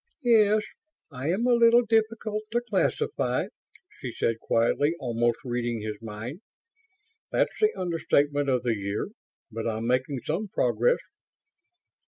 "Yes, I am a little difficult to classify," she said quietly, almost reading his mind. "That's the understatement of the year! But I'm making some progress."